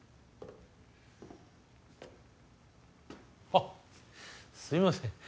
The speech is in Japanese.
・あっすいません。